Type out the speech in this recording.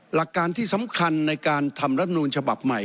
หลักการที่สำคัญในการทำรัฐนูลฉบับใหม่